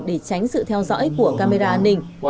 để tránh sự theo dõi của camera an ninh